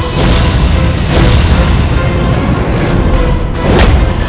kita habisi dia